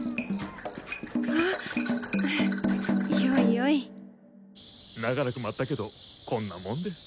あっよいよい長らく待ったけどこんなもんです。